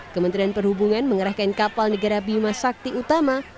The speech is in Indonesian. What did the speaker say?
kementerian perhubungan mengerahkan kapal negara bima sakti utama